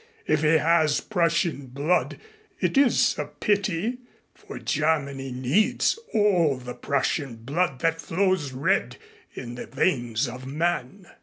If he has Prussian blood it is a pity, for Germany needs all the Prussian blood that flows red in the veins of men."